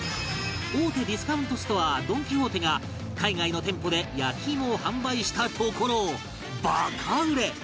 大手ディスカウントストアドン・キホーテが海外の店舗で焼き芋を販売したところバカ売れ！